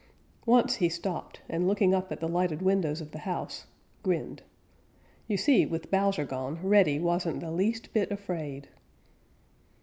Once he stopped, and looking up at the lighted windows of the house, grinned. You see, with Bowser gone, Reddy wasn't the least bit afraid.